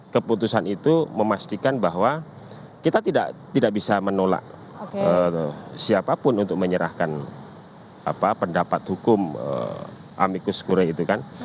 keputusan itu memastikan bahwa kita tidak bisa menolak siapapun untuk menyerahkan pendapat hukum amikus kure itu kan